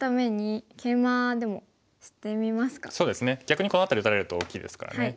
逆にこの辺り打たれると大きいですからね